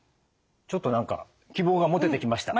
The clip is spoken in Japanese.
ちょっと何か希望が持ててきました。